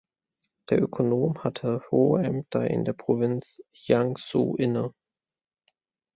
Der Ökonom hatte hohe Ämter in der Provinz Jiangsu inne.